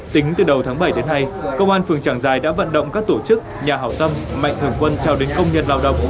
tính từ đầu tháng bảy đến nay công an phường trảng giải đã vận động các tổ chức nhà hảo tâm mạnh thường quân trao đến công nhân lao động